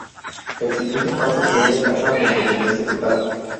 El siguiente paso sería alcanzar la independencia total.